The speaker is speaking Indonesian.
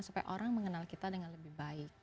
supaya orang mengenal kita dengan lebih baik